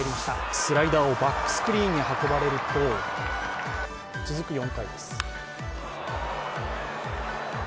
スライダーをバックスクリーンに運ばれると続く４回です。